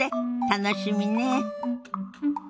楽しみねえ。